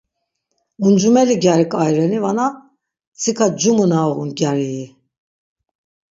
Uncumeli gyari k̆ai reni varna mtsika cumu na uğun gyarii?